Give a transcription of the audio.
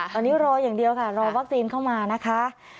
ตอนนี้รออย่างเดียวค่ะรอวัคซีนเข้ามานะคะ